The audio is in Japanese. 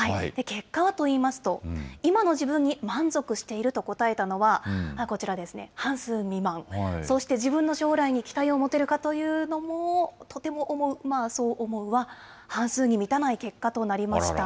結果はといいますと、今の自分に満足していると答えたのは、こちらですね、半数未満、そして自分の将来に期待を持てるかというのも、とても思う、まあそう思うは半数に満たない結果となりました。